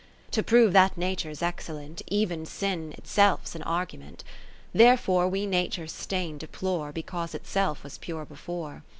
X To prove that Nature 's excellent, Even Sin itself 's an argument : Therefore we Nature's stain deplore, Because itself was pure before.